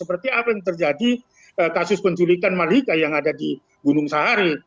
seperti apa yang terjadi kasus penculikan malika yang ada di gunung sahari